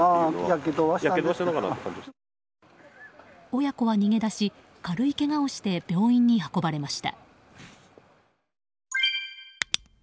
親子は逃げ出し軽いけがをして病院に運ばれました。